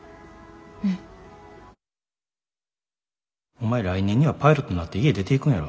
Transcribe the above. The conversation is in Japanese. お前来年にはパイロットになって家出ていくんやろ。